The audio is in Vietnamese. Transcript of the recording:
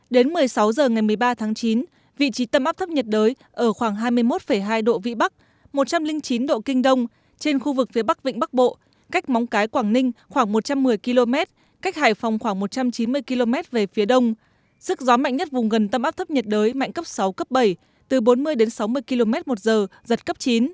đến một mươi sáu h ngày một mươi ba tháng chín vị trí tâm áp thấp nhiệt đới ở khoảng hai mươi một hai độ vĩ bắc một trăm linh chín độ kinh đông trên khu vực phía bắc vịnh bắc bộ cách móng cái quảng ninh khoảng một trăm một mươi km cách hải phòng khoảng một trăm chín mươi km về phía đông sức gió mạnh nhất vùng gần tâm áp thấp nhiệt đới mạnh cấp sáu cấp bảy từ bốn mươi sáu mươi km một giờ giật cấp chín